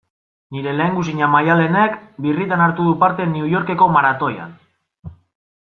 Nire lehengusina Maialenek birritan hartu du parte New Yorkeko maratoian.